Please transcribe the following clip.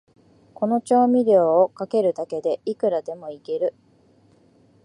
この調味料をかけるだけで、いくらでもイケる